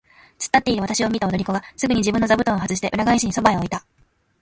つっ立っているわたしを見た踊り子がすぐに自分の座布団をはずして、裏返しにそばへ置いた。